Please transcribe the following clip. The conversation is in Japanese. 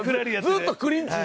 ずっとクリンチ。